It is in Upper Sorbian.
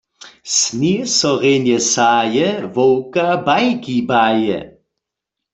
Sněh so rjenje saje, wowka bajki baje.